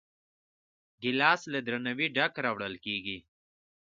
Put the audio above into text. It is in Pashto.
ګیلاس له درناوي ډک راوړل کېږي.